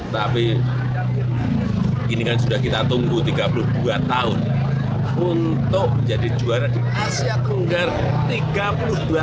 tapi ini kan sudah kita tunggu tiga puluh dua tahun untuk menjadi juara di asia tenggara